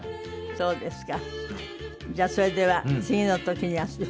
そうですね。